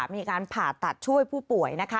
มีการผ่าตัดช่วยผู้ป่วยนะคะ